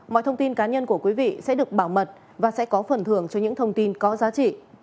mọi thông tin cá nhân của quý vị sẽ được bảo mật và sẽ có phần thưởng cho những thông tin có giá trị